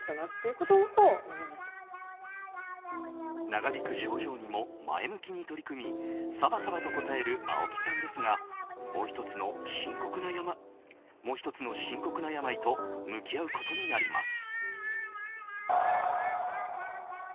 長引く症状にも前向きに取り組みさばさばと答える青木さんですがもう１つの深刻な病と向き合うことになります。